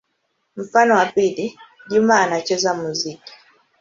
Mfano wa pili: Juma anacheza muziki.